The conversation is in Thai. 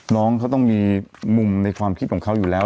น้องเขาต้องมีมุมในความคิดของเขาอยู่แล้ว